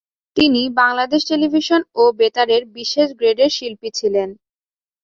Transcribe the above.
তিনি বাংলাদেশ টেলিভিশন ও বেতারের বিশেষ গ্রেডের শিল্পী ছিলেন।